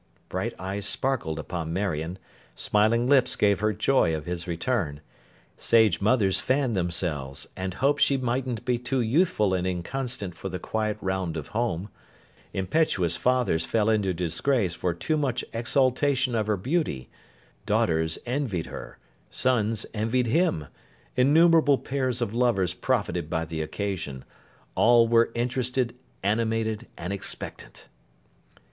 Bright eyes sparkled upon Marion; smiling lips gave her joy of his return; sage mothers fanned themselves, and hoped she mightn't be too youthful and inconstant for the quiet round of home; impetuous fathers fell into disgrace for too much exaltation of her beauty; daughters envied her; sons envied him; innumerable pairs of lovers profited by the occasion; all were interested, animated, and expectant.